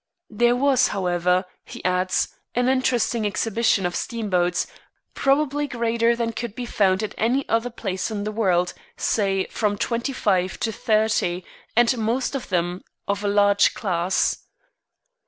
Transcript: "There was, however," he adds, "an interesting exhibition of steamboats, probably greater than could be found at any other place in the world; say, from twenty five to thirty, and most of them of a large class."